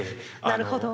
なるほど。